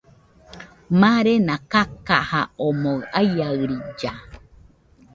Marena kakaja omoɨ aiaɨrilla.